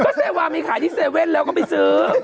ก็เซวาะมีขายที่เซเว่นแล้วก็ไปซื้อ